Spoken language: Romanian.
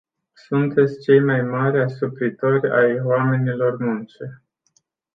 Sunteți cei mai mari asupritori ai oamenilor muncii.